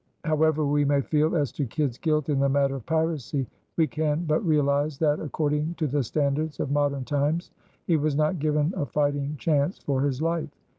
However we may feel as to Kidd's guilt in the matter of piracy, we can but realize that, according to the standards of modern times, he was not given a fighting chance for his life.